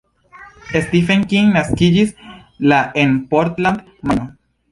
Stephen King naskiĝis la en Portland, Majno.